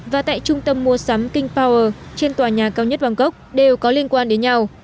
và tại trung tâm mua sắm king power trên tòa nhà cao nhất bangkok đều có liên quan đến nhau